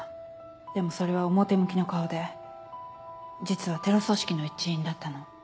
でもそれは表向きの顔で実はテロ組織の一員だったの。